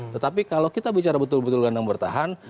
tetapi kalau kita bicara betul betul gelandang bertahan